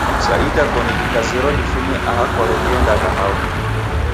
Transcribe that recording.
Sa idakoni dikazerwa difume aha kwaro diendagha hao?